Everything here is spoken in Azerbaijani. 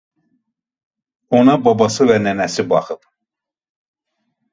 Ona babası və nənəsi baxıb.